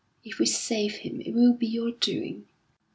"If we save him it will be your doing."